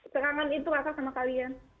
serangan itu rasa sama kalian